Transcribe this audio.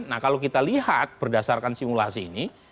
nah kalau kita lihat berdasarkan simulasi ini